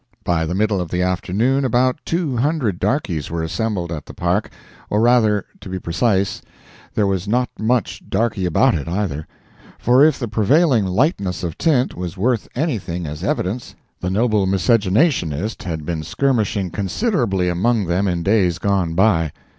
By the middle of the afternoon about two hundred darkies were assembled at the Park; or rather, to be precise, there was not much "darky" about it, either; for if the prevailing lightness of tint was worth anything as evidence, the noble miscegenationist had been skirmishing considerably among them in days gone by.